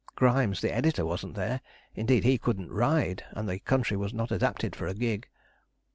Grimes, the editor, wasn't there; indeed, he couldn't ride, and the country was not adapted for a gig.